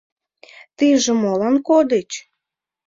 — Тыйже молан кодыч?